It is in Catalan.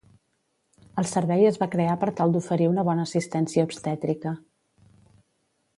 El servei es va crear per tal d'oferir una bona assistència obstètrica.